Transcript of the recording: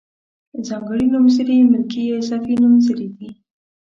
ځانګړي نومځري ملکي یا اضافي نومځري دي.